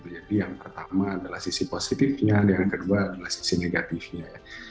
jadi yang pertama adalah sisi positifnya yang kedua adalah sisi negatifnya